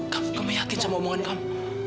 kamu yakin sama omongan kamu